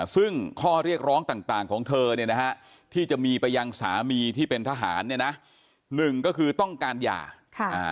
ซึ่งข้อเรียกร้องต่างของเธอเนี่ยนะครับที่จะมีไปยังสามีที่เป็นทหารเนี่ยนะ